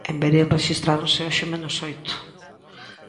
En Verín rexistráronse hoxe menos oito.